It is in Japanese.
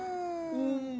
うん。